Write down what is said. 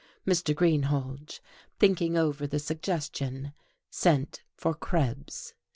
Mr. Greenhalge, thinking over the suggestion, sent for Krebs.